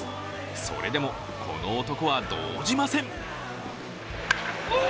それでも、この男は動じません。